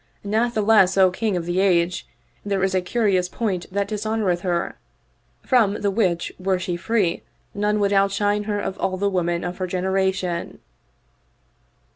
Natheless, O King of the Age, there is a curious point that dishonoreth her, from the which were she free none would outshine her of all the women of her generation."